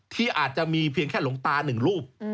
ที่อาจจะมีเพียงแค่หลวงตาหนึ่งรูป